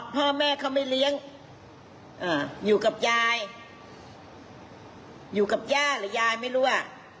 พ่อแม่เขาไม่เลี้ยงอยู่กับยายอยู่กับย่าหรือยายไม่รู้อ่ะ